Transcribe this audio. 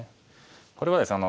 これはですね